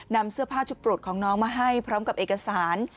นำเสื้อผ้าชุดโปรดของน้องมาให้พร้อมกับเอกสาร